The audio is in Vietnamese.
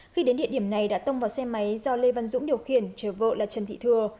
khi đến địa điểm này đã tông vào xe máy do lê văn dũng điều khiển chở vợ là trần thị thừa